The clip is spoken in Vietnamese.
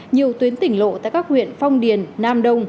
nhiều tuyến tỉnh lộ tại các huyện phong điền nam đông